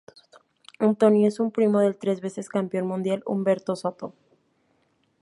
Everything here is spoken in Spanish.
Antonio es un primo del tres veces campeón mundial Humberto Soto.